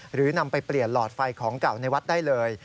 หรือนำไปเปลี่ยนหลอดไฟของเก่าในวัดได้เลย